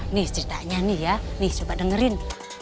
nih ceritanya nih ya nih coba dengerin